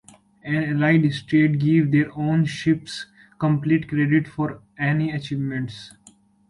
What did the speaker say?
Each Allied state gave their own ships complete credit for any achievements.